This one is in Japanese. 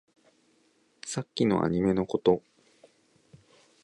さっきのアニメのこと